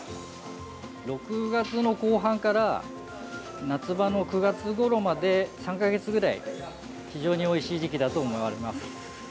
６月の後半から夏場の９月ごろまで３か月ぐらい、非常においしい時期だと思われます。